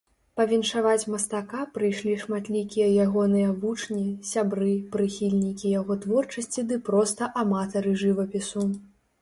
Павіншаваць мастака прыйшлі шматлікія ягоныя вучні, сябры, прыхільнікі яго творчасці ды проста аматары жывапісу.